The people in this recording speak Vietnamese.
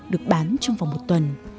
được bán trong vòng một tuần